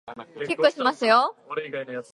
キックしますよ